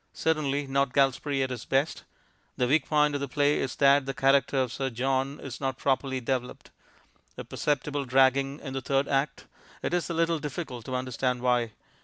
Certainly not Galsbarrie at his best.... The weak point of the play is that the character of Sir John is not properly developed.... A perceptible dragging in the Third Act.... It is a little difficult to understand why....